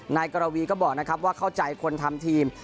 นายกรวีก็บอกนะครับว่าเข้าใจคนทำทีม